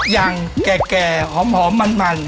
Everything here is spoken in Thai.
อย่างแก่หอมมัน